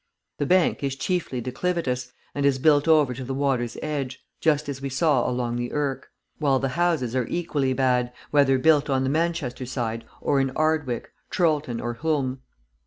The bank is chiefly declivitous and is built over to the water's edge, just as we saw along the Irk; while the houses are equally bad, whether built on the Manchester side or in Ardwick, Chorlton, or Hulme.